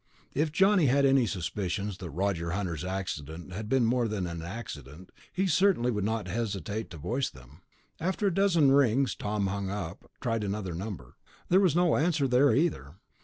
If Johnny had any suspicions that Roger Hunter's accident had been more than an accident, he certainly would not hesitate to voice them.... After a dozen rings, Tom hung up, tried another number. There was no answer there, either.